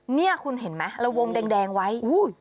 นี่คุณเห็นไหมระวงแดงไว้